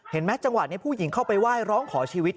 จังหวะนี้ผู้หญิงเข้าไปไหว้ร้องขอชีวิต